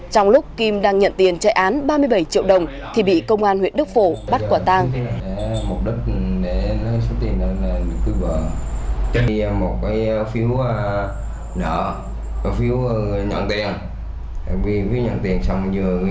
trong lúc kim đang nhận tiền chạy án ba mươi bảy triệu đồng thì bị công an huyện đức phổ bắt quả tàng